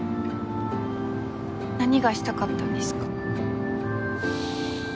何がしたかったんですか？